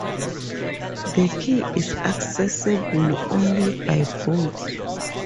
The key is accessible only by boat.